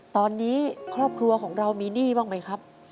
ตอนนี้ครอบครัวของเรามีหนี้บ้างไหมครับ